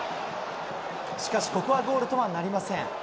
しかし、ここはゴールとはなりません。